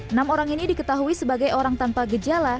enam orang ini diketahui sebagai orang tanpa gejala